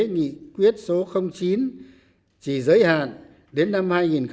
nghị quyết số chín chỉ giới hạn đến năm hai nghìn hai mươi